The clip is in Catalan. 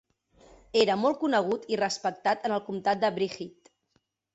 Era molt conegut i respectat en el comtat de Breathitt.